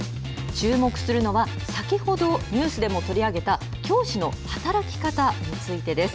注目するのは先ほどニュースでも取り上げた教師の働き方についてです。